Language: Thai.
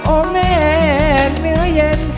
โอ้แม่เนื้อเย็น